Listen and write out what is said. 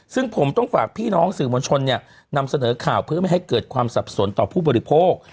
ซึ่งผมต้องฝากพี่น้องสื่อมวลชนเนี่ยนำเสนอข่าวเพื่อไม่ให้เกิดความสับสนต่อผู้บริโภค